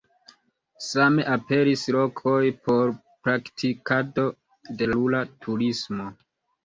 Same aperis lokoj por praktikado de la rura turismo.